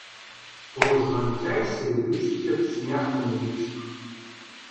Прозвънтя и сребристият смях на момичето.